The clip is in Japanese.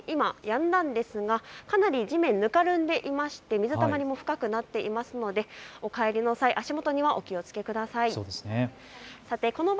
６時ごろにやんだんですが、かなり地面がぬかるんでいまして水たまりが深くなっていますのでお帰りの際、足元にはお気をつけください。